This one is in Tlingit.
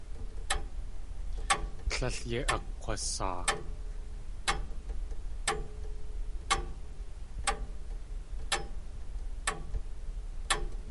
Tlél yéi akg̲wasaa.